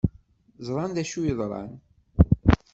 Ẓran d acu yeḍran.